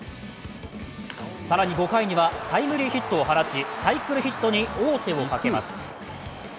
更に５回には、タイムリーヒットを放ち、サイクルヒットに王手をかけます。